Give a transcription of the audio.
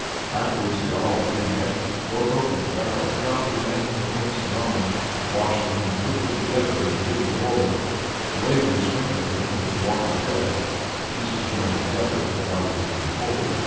Afterwards they all three met, broke open the barrel, took out the remains of Prince Ivan, washed them, and put them together in fitting order. The Raven sprinkled them with the Water of Death the pieces joined together, the body became whole.